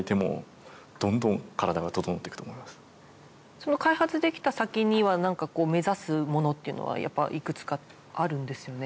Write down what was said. その開発できた先にはなんか目指すものっていうのはやっぱいくつかあるんですよね？